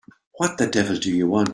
What the devil do you want?